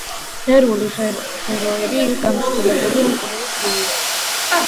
ნერვული ღეროები გამსხვილებული, მკვრივი, გლუვია.